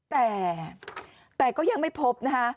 แต่แต่ก็ยังไม่พบนะคะ